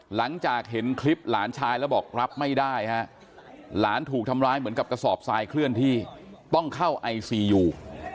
หลังจากเห็นคลิปหลานชายแล้วบอกรับไม่ได้ฮะหลานถูกทำร้ายเหมือนกับกระสอบทรายเคลื่อนที่ต้องเข้าไอซียู